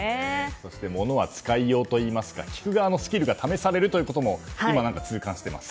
そして、物は使いようといいますから、聞く側のスキルが試されるということも今、痛感しています。